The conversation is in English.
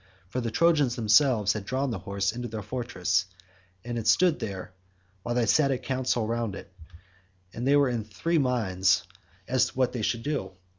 For the Trojans themselves had drawn the horse into their fortress, and it stood there while they sat in council round it, and were in three minds as to what they should do.